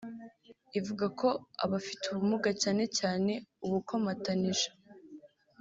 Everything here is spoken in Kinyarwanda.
Ivuga ko abafite ubumuga cyane cyane ubukomatanije